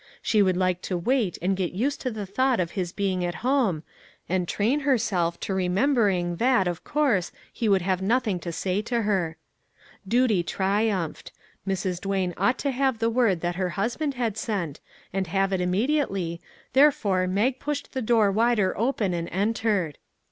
She would like to wait and get used to the thought of his being at home, and train herself to remembering that, of course, he would have nothing to say to her. Duty triumphed; Mrs. Duane ought to have the word that her husband had sent, and have it immediately, therefore Mag pushed the door wider open and entered.